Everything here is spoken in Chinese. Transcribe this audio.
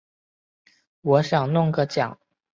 我想弄个奖